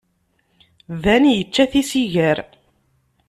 Dan yečča tisigar.